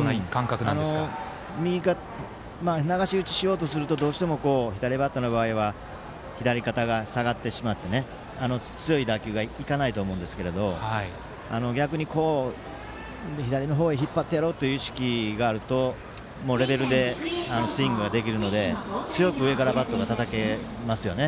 流し打ちしようとするとどうしても左バッターの場合は左肩が下がってしまって、強い打球がいかないと思うんですけれど逆に左の方へ引っ張ってやろうという意識があるとレベルでスイングができるので強く上からバットがたたけますよね。